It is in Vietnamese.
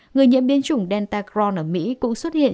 người nhiễm biến chủng delta cron ở mỹ cũng xuất hiện